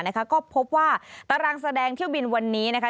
ก็พบว่าตารางแสดงเที่ยวบินวันนี้นะคะ